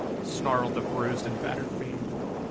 snarled the bruised and battered fiend.